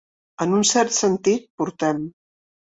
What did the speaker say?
En un cert sentit, portem.